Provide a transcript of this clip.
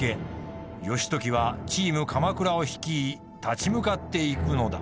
義時はチーム鎌倉を率い立ち向かっていくのだ。